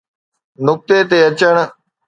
نقطي تي اچڻ.